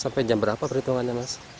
sampai jam berapa perhitungannya mas